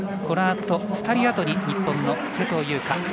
このあと、２人あとに日本の勢藤優花。